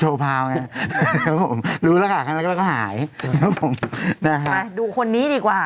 โชว์พาวไงรู้แล้วค่ะแล้วก็หายนะฮะดูคนนี้ดีกว่า